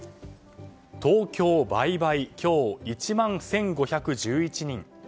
東京倍々、今日１万１５１１人。